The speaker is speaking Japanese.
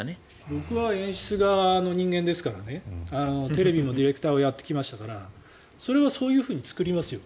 僕は演出側の人間ですからねテレビも、ディレクターをやってきましたからそれはそういうふうに作りますよ